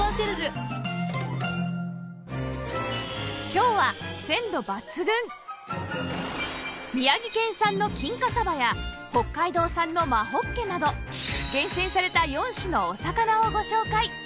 今日は宮城県産の金華さばや北海道産の真ほっけなど厳選された４種のお魚をご紹介！